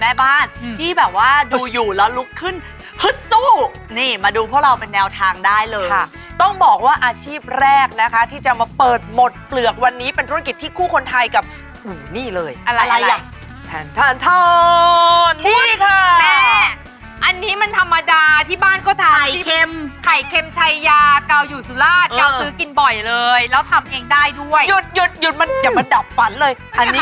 เอารายได้เข้ากระเป๋าของคุณแม่บ้างมั้ย